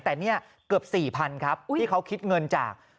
แต่เนี่ยเกือบ๔๐๐๐ครับที่เขาคิดเงินจาก